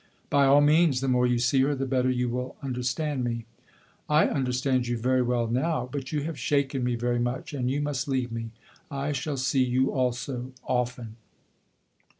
"By all means! The more you see her the better you will understand me." "I understand you very well now. But you have shaken me very much, and you must leave me. I shall see you also often."